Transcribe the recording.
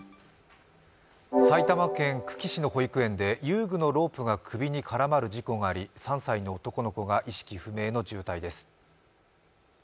埼玉県久喜市の保育園で遊具のロープが首に絡まる事故があり３歳の男の子が意識不明の重体です